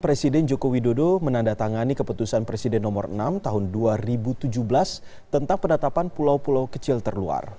presiden joko widodo menandatangani keputusan presiden nomor enam tahun dua ribu tujuh belas tentang penetapan pulau pulau kecil terluar